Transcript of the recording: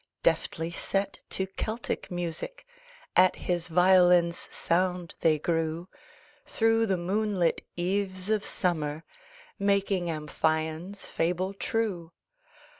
Deftly set to Celtic music At his violin's sound they grew, Through the moonlit eves of summer, Making Amphion's fable true.